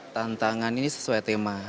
tantangan ini sesuai tema